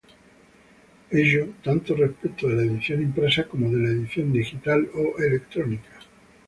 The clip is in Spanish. Ello, tanto respecto de la edición impresa como de la edición digital o electrónica.